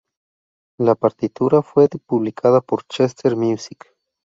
La partitura fue publicada por Chester Music.